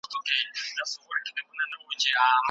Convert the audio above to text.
ښځه د هنر په هره برخه کي د ښکلا او خلاقیت مانا ورکوي